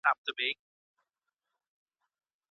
څه وخت دولتي شرکتونه پرزې هیواد ته راوړي؟